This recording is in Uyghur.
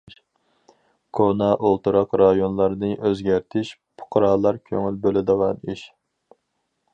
كونا ئولتۇراق رايونلارنى ئۆزگەرتىش پۇقرالار كۆڭۈل بۆلىدىغان ئىش.